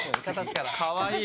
かわいい。